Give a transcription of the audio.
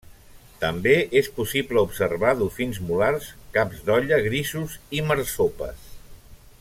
També és possible observar dofins mulars, caps d'olla grisos i marsopes.